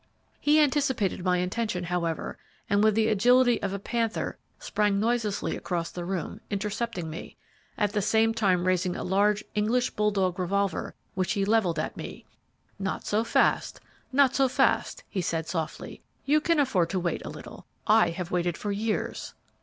"He anticipated my intention, however, and with the agility of a panther sprang noiselessly across the room, intercepting me, at the same time raising a large, English bull dog revolver, which he levelled at me. "'Not so fast, not so fast,' he said, softly; 'you can afford to wait a little; I have waited for years!'